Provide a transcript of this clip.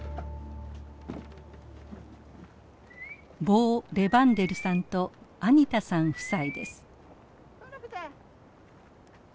ボー・レバンデルさんとアニタさん夫妻です。